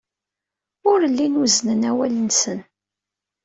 Ur llin wezznen awal-nsen.